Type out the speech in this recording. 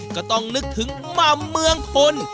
ก็ต้องนึกถึงหม่ำเมืองพล